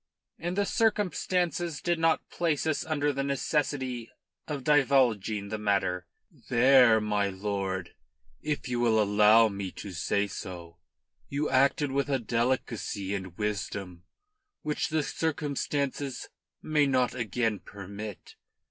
"And the circumstances did not place us under the necessity of divulging the matter." "There, my lord, if you will allow me to say so, you acted with a delicacy and wisdom which the circumstances may not again permit.